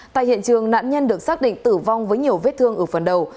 tại hiện trường nạn nhân được xác định tử vong với nhiều vết thương ở phần đầu